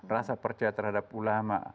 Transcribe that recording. rasa percaya terhadap ulama